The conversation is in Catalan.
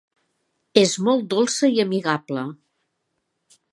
És molt dolça i amigable.